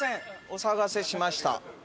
お騒がせしました。